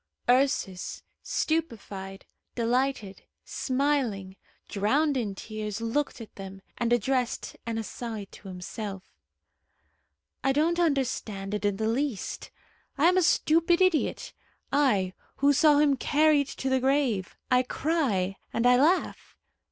Ursus, stupefied, delighted, smiling, drowned in tears, looked at them, and addressed an aside to himself. "I don't understand it in the least. I am a stupid idiot I, who saw him carried to the grave! I cry and I laugh.